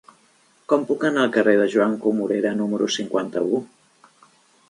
Com puc anar al carrer de Joan Comorera número cinquanta-u?